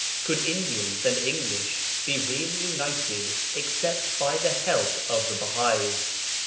Could Indians and English be really united except by the help of the Bahais?